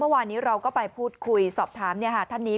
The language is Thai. เมื่อวานนี้เราก็ไปพูดคุยสอบถามท่านนี้